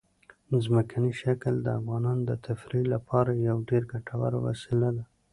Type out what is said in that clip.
ځمکنی شکل د افغانانو د تفریح لپاره یوه ډېره ګټوره وسیله ده.